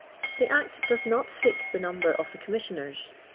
The Act does not fix the number of the Com missioners.